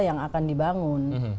yang akan dibangun